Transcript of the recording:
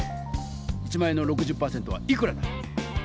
１００００円の６０％はいくらだ？